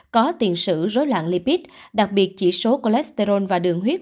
có tiền sử dối loạn lipid đặc biệt chỉ số cholesterol và đường huyết